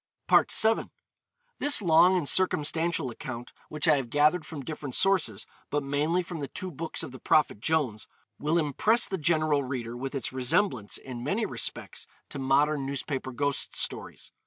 VII. This long and circumstantial account, which I have gathered from different sources, but mainly from the two books of the Prophet Jones, will impress the general reader with its resemblance, in many respects, to modern newspaper ghost stories.